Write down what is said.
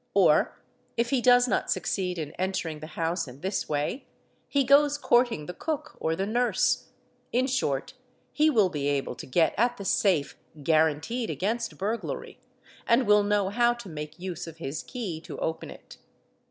or if he does not succeed in entering the house in this way, he goes courting the cook or the nurse, in short, he will be able to get at the safe " guaranteed against burglary'', and will know how to make use of his key to open it.